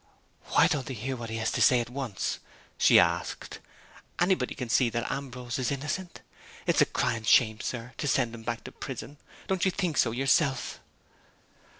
"Why don't they hear what he has to say at once?" she asked. "Anybody can see that Ambrose is innocent. It's a crying shame, sir, to send him back to prison. Don't you think so yourself?"